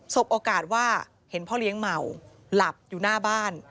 บโอกาสว่าเห็นพ่อเลี้ยงเมาหลับอยู่หน้าบ้าน